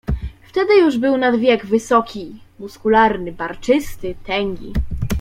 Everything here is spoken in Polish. "Wtedy już był nad wiek wysoki, muskularny, barczysty, tęgi."